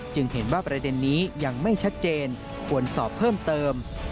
เห็นว่าประเด็นนี้ยังไม่ชัดเจนควรสอบเพิ่มเติม